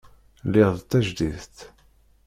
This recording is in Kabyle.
Lliɣ d tajdidt.